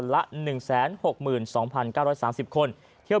สวัสดีค่ะ